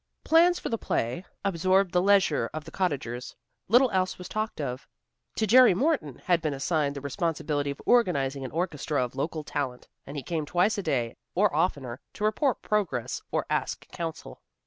Plans for the play absorbed the leisure of the cottagers. Little else was talked of. To Jerry Morton had been assigned the responsibility of organizing an orchestra of local talent, and he came twice a day or oftener, to report progress or ask counsel.